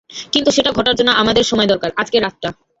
কিন্তু সেটা ঘটার জন্য আমাদের সময় দরকার, আজকের রাতটা।